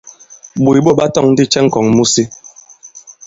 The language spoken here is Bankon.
Ɓǒt ɓɔ ɓa tɔ̄ŋ ndi cɛ i ŋ̀kɔ̀ŋ mu si?